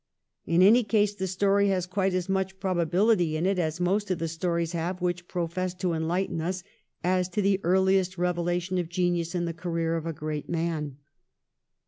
In any case the story has quite as much probability in it as most of the stories have which profess to enhghten us as to the earliest revelation of genius in the career of a great man.